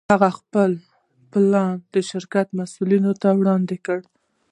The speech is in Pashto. هغه خپل پلان د شرکت مسوولينو ته وړاندې کړ.